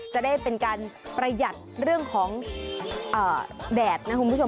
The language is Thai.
จะได้เป็นการประหยัดเรื่องของแดดนะคุณผู้ชม